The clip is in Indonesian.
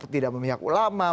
tidak memihak ulama